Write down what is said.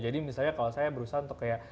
jadi misalnya kalau saya berusaha untuk kayak